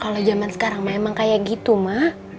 kalo jaman sekarang emang kayak gitu mak